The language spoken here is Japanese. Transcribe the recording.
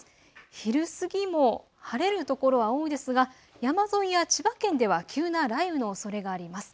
昼過ぎも晴れる所は多いですが山沿いや千葉県では急な雷雨のおそれがあります。